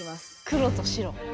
黒と白。